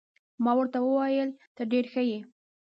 ما ورته وویل: ته ډېر ښه يې.